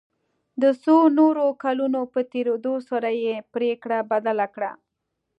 د څو نورو کلونو په تېرېدو سره یې پريکړه بدله کړه.